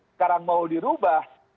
sekarang mau dirubah